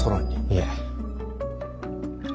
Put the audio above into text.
いえ。